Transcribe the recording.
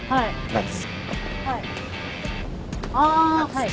はい。